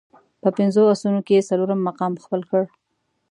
په پنځو اسونو کې یې څلورم مقام خپل کړ.